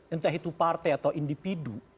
entah itu partai atau individu